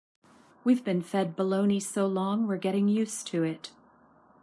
We've been fed baloney so long we're getting used to it.